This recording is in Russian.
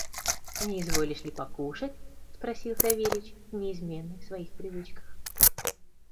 – Не изволишь ли покушать? – спросил Савельич, неизменный в своих привычках.